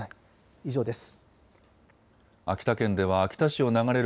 以上です。